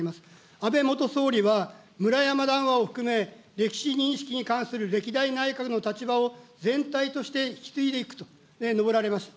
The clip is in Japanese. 安倍元総理は村山談話を含め、歴史認識に関する歴代内閣の立場を全体として引き継いでいくと述べられました。